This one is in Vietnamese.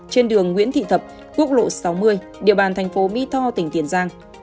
trên đường nguyễn thị thập quốc lộ sáu mươi địa bàn thành phố mỹ tho tỉnh tiền giang